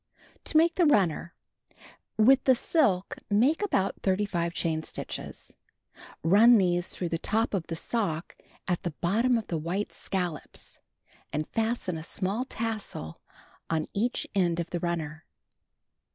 To Make the Runner. — With the silk make about 35 chain stitches. Run these through the top of the sock at the bottom of the white scallops and fasten a small tassel on each end of the runner.